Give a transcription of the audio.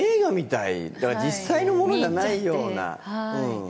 実際のものじゃないような。